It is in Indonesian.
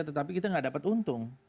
tetapi kita nggak dapat untung